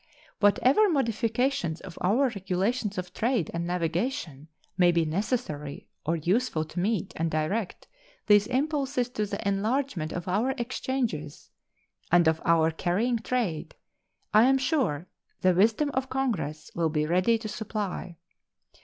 Whatever modifications of our regulations of trade and navigation may be necessary or useful to meet and direct these impulses to the enlargement of our exchanges and of our carrying trade I am sure the wisdom of Congress will be ready to supply.